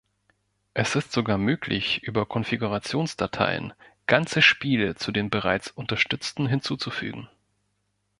Es ist sogar möglich, über Konfigurationsdateien ganze Spiele zu den bereits unterstützten hinzuzufügen.